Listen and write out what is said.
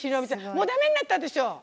もう、だめになったでしょ。